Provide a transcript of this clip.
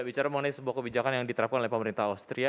bicara mengenai sebuah kebijakan yang diterapkan oleh pemerintah austria